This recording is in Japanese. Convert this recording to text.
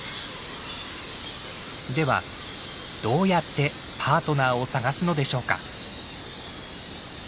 ではどうやってパートナーを探すのでしょうか？